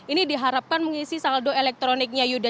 ini diharapkan mengisi saldo elektroniknya yuda